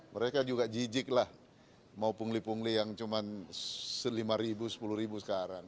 mereka juga jijik lah mau pungli pungli yang cuma lima ribu sepuluh ribu sekarang